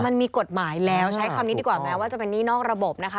มันมีกฎหมายแล้วใช้คำนี้ดีกว่าแม้ว่าจะเป็นหนี้นอกระบบนะคะ